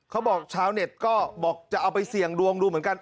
ชาวเน็ตก็บอกจะเอาไปเสี่ยงดวงดูเหมือนกัน